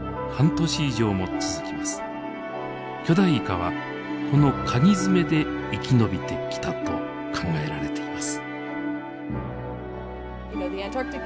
巨大イカはこのかぎ爪で生き延びてきたと考えられています。